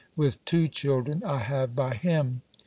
with two children I have by him!